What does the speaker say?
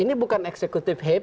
ini bukan eksekutif heavy